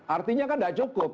artinya kan tidak cukup